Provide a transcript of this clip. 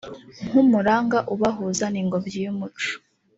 nk‘umurunga ubahuza n‘ingobyi y’umuco